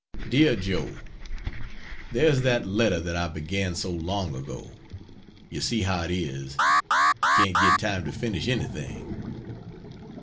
DEAR JOE, There's that letter that I began so long ago you see how it is: can't get time to finish anything.